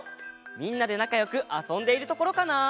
みんなでなかよくあそんでいるところかな？